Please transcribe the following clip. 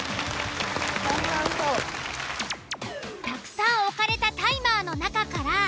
たくさん置かれたタイマーの中から。